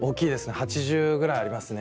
１８０ぐらいありますね。